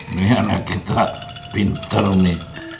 ini anak kita pinter nih